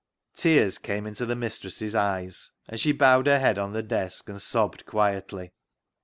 Tears came into the mistress's eyes, and she bowed her head on the desk and sobbed quietly.